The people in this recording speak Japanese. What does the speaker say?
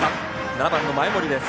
７番の前盛です。